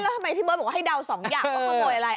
แล้วทำไมพี่บ๊อตบอกให้เดา๒อย่างว่าขโมยอะไร